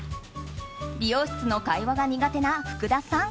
美容室の会話が苦手な福田さん